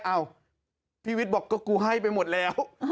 อ้าวพี่วิทย์บอกก็กูให้ไปหมดแล้ว